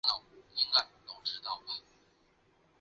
深山毛茛为毛茛科毛茛属下的一个种。